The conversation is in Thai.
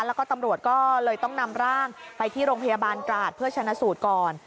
แล้วก็ตำรวจก็เลยต้องนำร่างไปที่โรงพยาบาลตราดเพื่อชนะสูตรก่อน